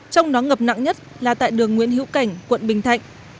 trong đó ngập nặng nhất là tại đường nguyễn hữu cảnh quận bình thạnh